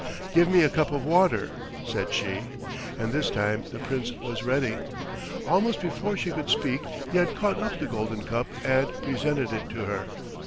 "Give me a cup of water," said she; and this time the Prince was ready. Almost before she could speak he had caught up the golden cup and presented it to her.